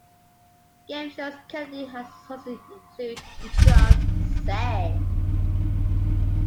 Game shows Kennedy has hosted include You Don't Say!